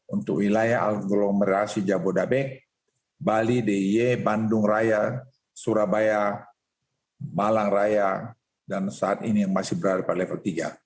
untuk wilayah aglomerasi jabodetabek bali diy bandung raya surabaya malang raya dan saat ini yang masih berada pada level tiga